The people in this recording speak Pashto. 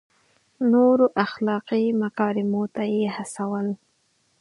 نورو اخلاقي مکارمو ته یې هڅول.